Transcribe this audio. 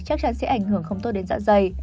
chắc chắn sẽ ảnh hưởng không tốt đến dạ dày